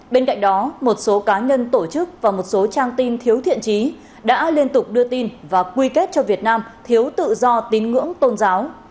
bên cạnh đó một số cá nhân tổ chức và một số trang tin thiếu thiện trí đã liên tục đưa tin và quy kết cho việt nam thiếu tự do tín ngưỡng tôn giáo